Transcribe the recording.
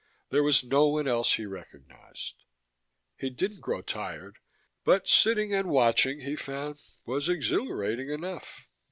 There was no one else he recognized. He didn't grow tired, but sitting and watching, he found, was exhilarating enough.